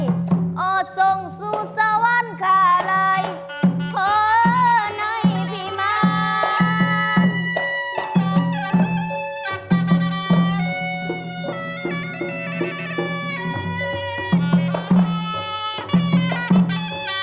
อดทรงสู่สวรรค์ข้าเลยเพิ่มในพิมัติ